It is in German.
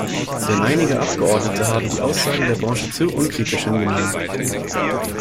Denn einige Abgeordnete haben die Aussagen der Branche zu unkritisch hingenommen.